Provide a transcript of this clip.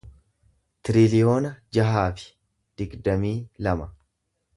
tiriliyoona jaha fi digdamii lama